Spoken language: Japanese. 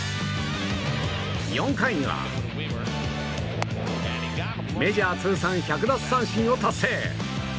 ４回には、メジャー通算１００奪三振を達成！